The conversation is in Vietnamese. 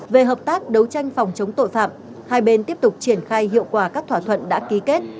về hợp tác đấu tranh phòng chống tội phạm hai bên tiếp tục triển khai hiệu quả các thỏa thuận đã ký kết